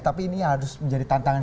tapi ini yang harus menjadi tantangan